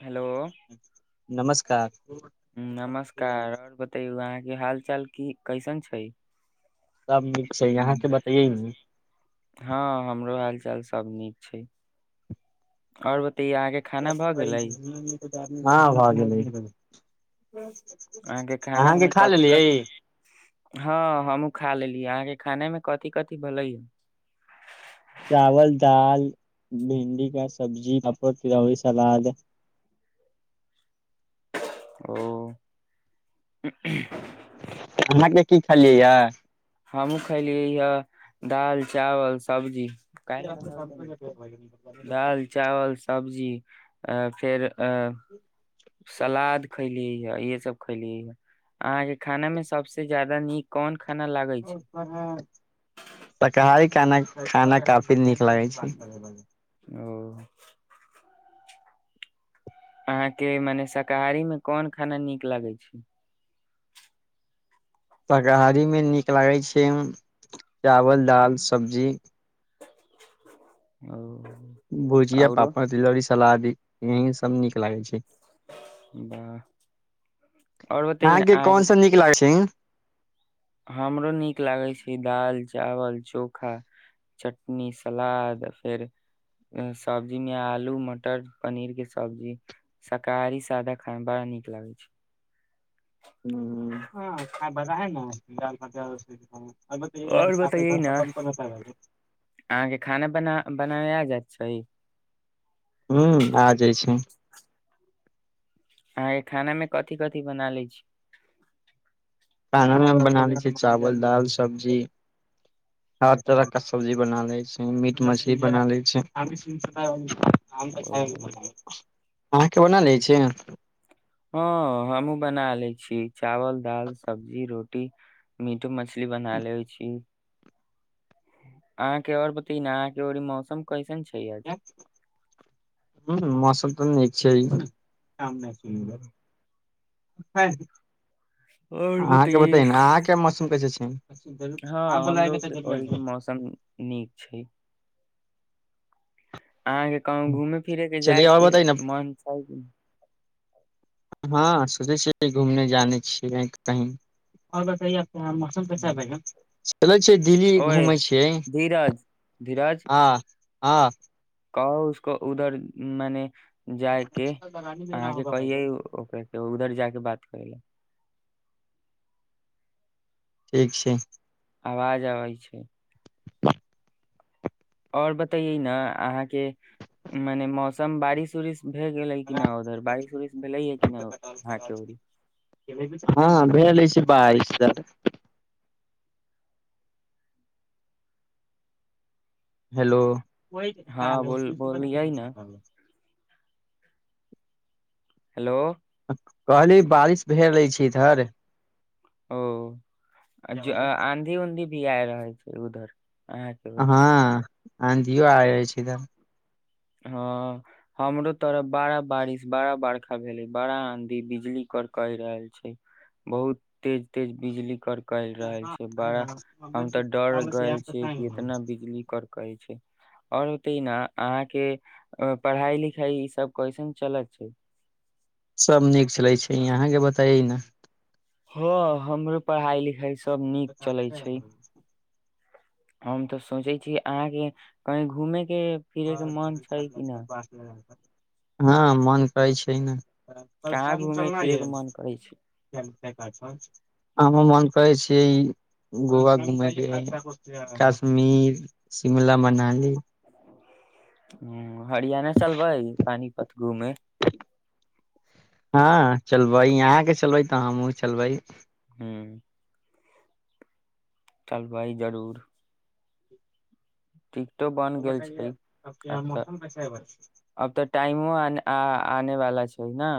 Hello नमस्कार नमस्कार सब और बतैइऔ अहाँके हाल चाल की कैसन छैय सब नीक छैय आहाँके बतइयए नि हँ हमरो हाल चाल सब नीक छैय आओर बत [unintelligible] हँ भऽ गेलै अहाँके खाना मे खा कथि लेलियै कथि हँ हमहूं खा लेलिय अहाँके खाने मे कथी कथि भलै ह चावल दाल भिंडी का सब्जी पापड़ तिलौरी सलाद ओ अहाँके की खेलियैए हमहुँ खलियै ह दाल चावल सब्जी [unintelligible] दाल चावल सब्जीअ फेर आ सलाद खइ अ ईहे सब खलियय अहाँ के खाना में सबस जादा नीक कोन खाना लागै छै [unintelligible] खाना खाना काफी नीक लागै छैय [inaudible] अहाँके मने शाकाहारीमे कोन खाना नीक लगै छैय शाकाहारीमे नीक लागै छैय चावल दाल सब्जी ओ भुजिया औरो पापड़ तिलौरी स सलाद यही सब नीक लागै छैय। वाह आओर बतैयौ ने अहाँके कौन सा नीक लागै छैय हमरो नीक लागै छै दाल चावल चोखा चटनी सलाद फेर सब्जी मे आलू मटर पनीर के सब्जी शाकाहारी सादा खामे बड़ा नीक लागै छैय। हॅं हँ [unintelligible] आओर बताइ न अहाँके खाना बना बनाबे आ जात छैय हु आ जाइ छैय। आँहां के खाना मे कथि कथि बना लय छी खानामे हम बना लय छी चावल दाल सब्जी हर तरह के सब्जी बना लय छी मीट मछली बना लय छी [unintelligible] आम त ओ [unintelligible] अहाँके बना लै छी हँ हमहुँ बना लय छी चावल दाल सब्जी रोटी मे मछली बना लेै छी अहाँके और बताई न अहाँके ओरी मौसम कैसन छै आज ह मौसम तऽ नीक छैय [unintelligible] [unintelligible] और अहाँके बतैयै बतई ने अहाँके मौसम कैसे हु हँ हमरो ओरी ओरीके मौसम नीक छैय। अहाँके कहु घूमे फिरे के चलिए और जायके बताइ न मन छैय की न हँ सोचै छियै घूमने जाने छियै कही ओर बतए तऽ मौसम हम्म। [unintelligible] [unintelligible] दिल्ली ओए घुमै छियै धीरज धीरज हँ हँ कहो उसको उधर मने जाय के अहाँके कहिेयय ओकरा के उधर जााके बात करै ला ठीक छैय। आवाज आबै छैय आओर बतैैयै न अहाँके मने मौसम बारिश उरिश भए गेलै कि न उधर बारिस उरिस भेलै ह कि न अहाँ के ओरी हँ भेल अछि बारिश त हेलो हँ बोल बोलियै ने [unintelligible] हेलो कहली बारिश भेल अछि ईधर ओ आँधी ऊँधी भी आ रहल छै ए उधर अहाँके उधर हँ आँधियो आबै छैय इधर हँ हमरो तरफ बाड़ा बारिश बाड़ा बरखा भेलै बड़ा आँधी बिजली करकै रहै छैय बहुत तेज तेज बिजली कर कै रहै छैय बड़ा हम तऽ डर गयल छियै कि एतना बिजली करकै छैय आओर बताई न आठ के पढ़ाई लिखाई ई सब कइसन चलत छैय सब नीक चलै छैय यहाँके बताइयै न [inaudible] ह हमरो पढ़ाइ लिखाइ सब नीक चलै छैय। हम तऽ सोचै छी अहाँके कहीं घूमे के फिरे के मन छै कि न [unintelligible] हँ मन करै छैय न कहाँ घूमे फिरे के मन करै छै [unintelligible] हम मोन करै छियै गोवा घुमयके काश्मीर शिमला मनाली ह हरियाणा चलबै पानीपत घूमे हँ चलबै यहाँ के चलबै तऽ हमहुँ चलबै हँ चलबय जरूर टिकटो बन गेल छैय अब तऽ अब तऽ टाइमो आने वाला छैय छैना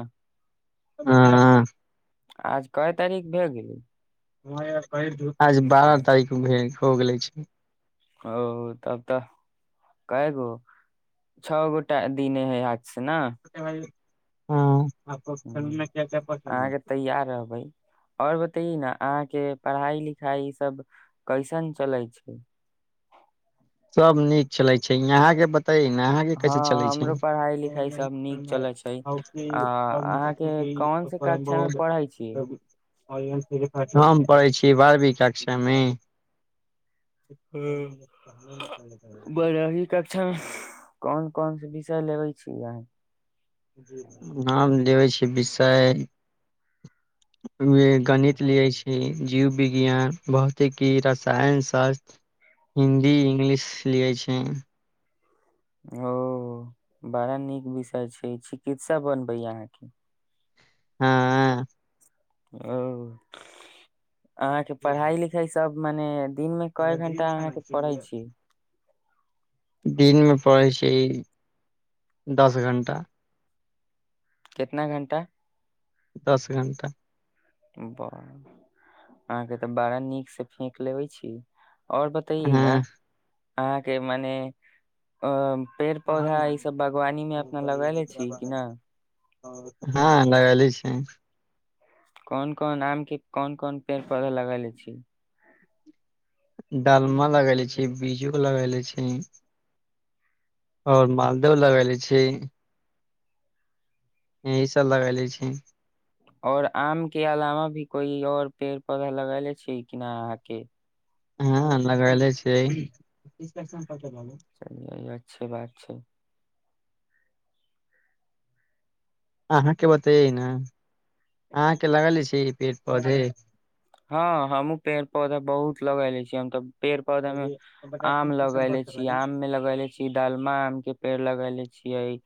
हँ आज कय तारीख भए गेलई [unintelligible] आज बारह तारीख भेल हो गेले अछि। ओ तब तऽ कैगो छओ गोटा दिने से ना हँ अहाँके तैयार रहबइ और बताइये न अहाँ के पढ़ाई लिखाई ई सब कइसन चलै छैय सब नीक चलै छैय यहााँ के बत हँ हमरो पढ़ाई लिखाइ सभ नीक चल छैय आ अहाँके कोन से कक्षामे पढ़ै छि। हम पढ़ै छी बारहवीकक्षामे [inaudible] बरह्वी कक्षा में कोन कोन से विषय लेबे छीय अहाँ हँ लेबे छी विषय गणित लियै छी जीव विज्ञान भौतिकी रसायन शास्त हिन्दी इंगलिश लिय छिन ओ बड़ा नीक विषय छैय चिकित्सा बनबै अहाँके हाँ अओ अहाँके पढ़ाई लिखाई सब मने दिन मे कए घंटा अहाँके पढ़ै छी दिनमे पढई छि दस घण्टा केतना घण्टा दस घण्टा ब अहाँके त बड़ा नीक से फेक लेबै छी ओर बताइयेगा हँ अहाँके मने अ पेड़ हँ ने पौधा ईसभ बागवानी मे अपना मुम्बई लगेले छी कि हैदराबाद ने हँ लगेली छि कोन कोन आम के कोन कोन पेड़ पौधा लगा ले छी डालमा लगैले छी बीजू लगैले छी ओर मालदह लगैले छी एहि सभ लगैले छी ओर आम के अलावा भी कोई और पेड़ पौधा लगले छी किना अहाँके हँ लगायले छियै चलिए ई अच्छी बात छै अहाँके बतेयै न अहाँके लगले छी ई पेड़ पौधे हँ हमहु पेड़ पौधा बहुत लगेले छीयै हम तऽ पेड़ पौधा में आम लगेले छी आम में लगेले छी डालमा आम के पेड़ लगेले छियै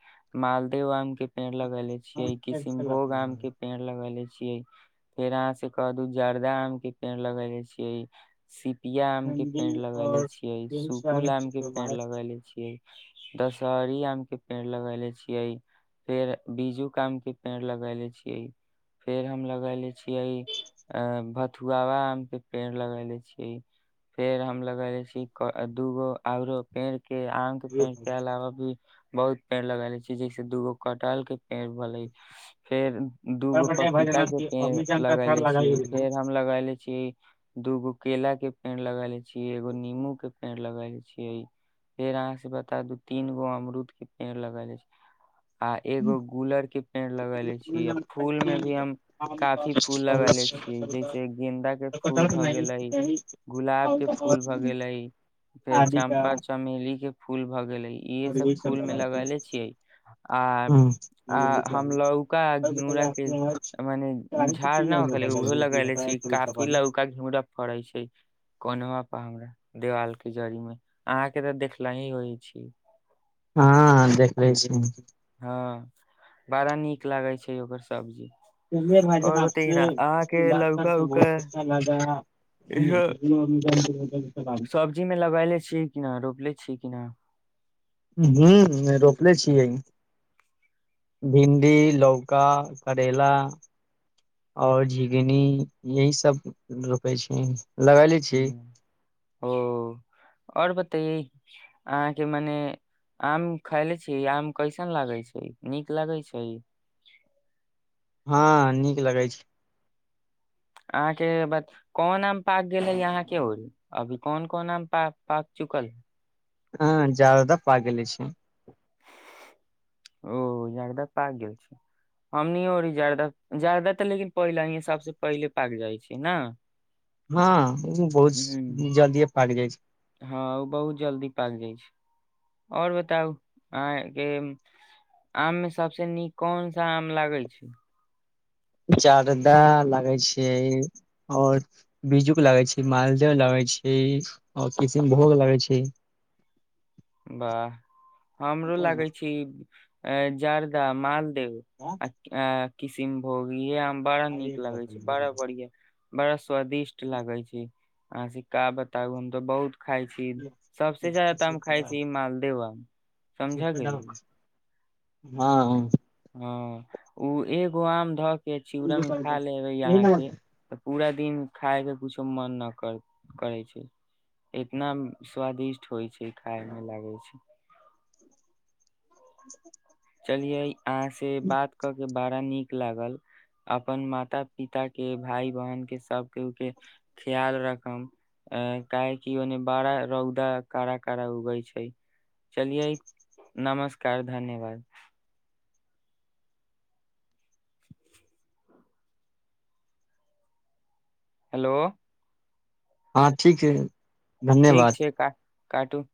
मालदह आमके पेड़ लगेले छियइ किष्णभोग आम के पेड़ लगले छियइ फेर अहाँसे क दू जर्दा आम के पेड़ लगे छियइ सी पिया आम के भिंडी पेड़ लगेले और छियै यही सुकुल आम के पेड़ सब लगेले छियै दशहरी आम के के पेड़ लगायले छियै फेर बीजू के आम के पेड़ लगायले छियै फेर हम लगैले छियै बथुआवा आम के पेड़ लगेलै छीय फेड़ हम लगेले छी दूगो आओरो पेड़ के आम के पेड़ के अलावा भी बहुत पेड़ लगले छी जैसे दूगो कटहल के पेड़ भेलइ फेर दूगो पपीता के पेड़ लगेले छियै फेर हम लगले छीयै दूगो केला के पेड़ लगैले छियै छियै एगो नीमू के पेड़ लगैलै छीयै फेर अहाँ से बता दू तीन गो अमरुद के पेड़ लगलै छियै आ एगो गुलर के पेड़ लगेले छियै फूल में भी हम काफी फूल लगेले छियै जैसे गेंदा के फूल भऽ गेलै गुलाब के फूल भऽ गेलै फेर चम्पा चमेली के फूल भऽ गेले इहे सब फूल में लगेले छियै आ आ आ हम लौका घिउरा के मने झाड़ ना होके उहो लगै ले छी काफी लौका घिउरा फड़े छै कोनवा पर हमरा देवालके जड़ी मे अहाँके तऽ देखल ही होइ छी हँ देखै छी हँ बड़ा नीक लागै छै ओकर सब्जी और बतैए न अहाँके लौका उका [unintelligible] [inaudible] [unintelligible] सब्जीमे लगायले छि कि नहि रोपले छि किना ह रोपले छियै भिंडी लौका करेला और झिंगनी यही सब रोपेय छीय ह ओ ओर बता तऽ ई अहाँके मने आम खयले छी आम कैसन लागै छै नीक लगै छै हाँ नीक लगै छै अहाँके ब कोन आम पाक गेलै अहां के ओर अभी कोन कोन आम पाक पाक चुकल है हँ जादाा पाक गेले छै ओ जरदा पाक गेल छी हमनी ओरी जरदा जरदा तऽ लेकिन पहिले ही सबसे पहिले पाक जाइ छै ना हाँ उ बहुत हूँ जल्दिये पाक जाइ छै हँ ओ बहुत जल्दी पाक जाइ छै आ ओर बताउ अहाँके आममे सभसँ नीक कोन सा आम लागै छै जारदा लागै छै ओर बीज्जूक लागै छै मालदा लागै छै आओर किशनभोग लगै छै वाह हमरो लागै छी ए जारदा माल [inaudible] किसिम भोगीय आम बड़ा नीक लगै छै बड़ा बढ़िया बड़स स्वादिष्ट लागै छै हँ स का बताउ हम त बहुत खाइ छी सबसेज्यादा तऽ हम खााय छी मालदेव समझा गेलि हँ हँ ओ ए गोआम धक के चुड़ा मे खा लेबै यहाँ के त पूरा दिन खाय के कुछो मन न कर करे छै इतना स्वादिष्ट होइ छै खाय मे लागे छै [inaudible] लियै आह से बात कर के बड़ा नीक लागल अपन माता पिता के भाय बहन के सबके उ के ख्याल राखब अ काहेकि ओने बड़ा रौदा कड़ा काड़ा उगै छै चलिये नमस्कार धन्यवाद हेलो हँ ठीक है ठीक छै क काटू